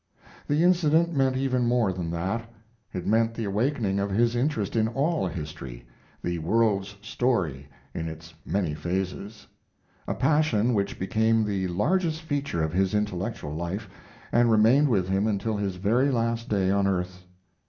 The incident meant even more than that: it meant the awakening of his interest in all history the world's story in its many phases a passion which became the largest feature of his intellectual life and remained with him until his very last day on earth.